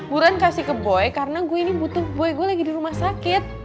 bu ren kasih ke boy karena gue ini butuh boy gue lagi di rumah sakit